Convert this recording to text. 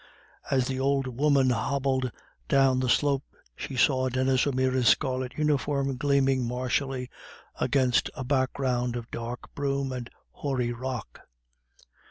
As the old woman hobbled down the slope she saw Denis O'Meara's scarlet uniform gleaming martially against a background of dark broom and hoary rock.